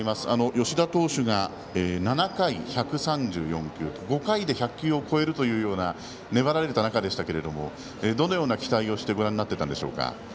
吉田投手が７回１３４球５回で１００球を超えるという粘られた中でしたがどのような期待をしてご覧になっていましたか。